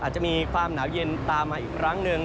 อาจจะมีความหนาวเย็นตามมาอีกครั้งหนึ่ง